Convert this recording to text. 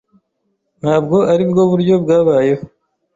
Ntabwo aribwo buryo bwabayeho.